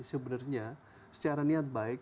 sebenarnya secara niat baik